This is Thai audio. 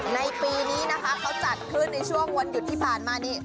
ในปีนี้นะคะเขาจัดขึ้นในช่วงวันหยุดที่ผ่านมานี่